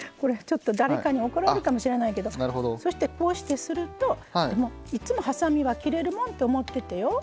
誰かに怒られるかもしれないけどそして、こうするといつも、はさみは切れるもんと思っててよ。